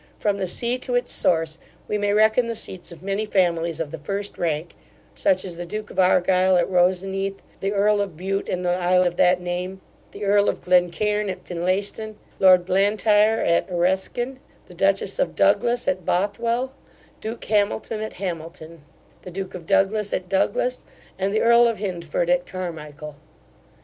From the sea to its source, we may reckon the seats of many families of the first rank, such as the duke of Argyle at Roseneath, the earl of Bute in the isle of that name, the earl of Glencairn at Finlayston, lord Blantyre at Areskine, the dutchess of Douglas at Bothwell, duke Hamilton at Hamilton, the duke of Douglas at Douglas, and the earl of Hyndford at Carmichael.